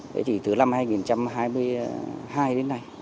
thế thì từ năm hai nghìn hai mươi hai đến nay